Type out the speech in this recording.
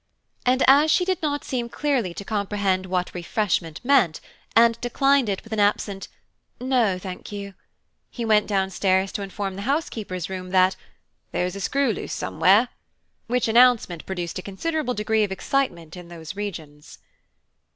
And as she did not seem clearly to comprehend what refreshment meant, and declined it with an absent "No, thank you," he went down stairs to inform the housekeeper's room that "there was a screw loose somewhere," which announcement produced a considerable degree of excitement in those regions.